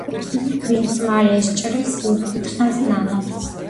ვინც მალე სჭრის, ის დიდხანს ნანობს